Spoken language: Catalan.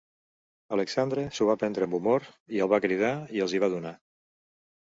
Alexandre s'ho va prendre amb humor, i el va cridar i els hi va donar.